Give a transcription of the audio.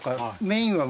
メインは。